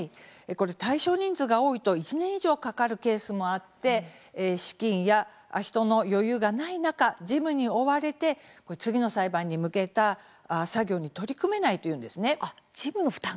対象人数が多いと１年以上かかるケースもあって資金や人の余裕がない中事務に追われて次の裁判に向けた作業に取り組めないというんです。